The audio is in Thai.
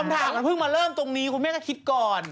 ถามมันเพิ่งมาเริ่มตรงนี้คุณแม่ก็คิดก่อน